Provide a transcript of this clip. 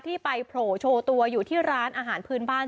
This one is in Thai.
ที่ไปโผล่โชว์ตัวอยู่ที่ร้านอาหารพื้นบ้าน